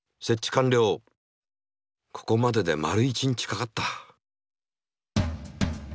ここまでで丸一日かかった。